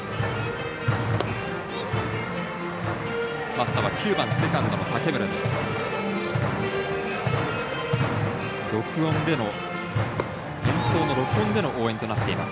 バッターは９番セカンドの竹村です。